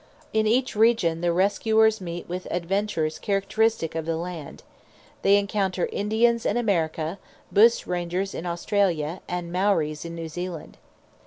In each region the rescuers meet with adventures characteristic of the land. They encounter Indians in America; bushrangers in Australia; and Maoris in New Zealand.